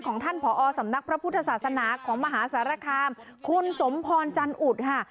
ท่านผอสำนักพระพุทธศาสนาของมหาสารคามคุณสมพรจันอุดค่ะ